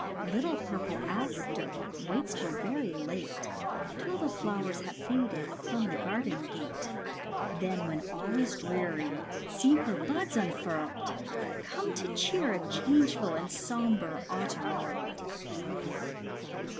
Little purple aster waits till very late, Till the flowers have faded from the garden gate; Then, when all is dreary, see her buds un furled. Come to cheer a changeful and sombre autumn world.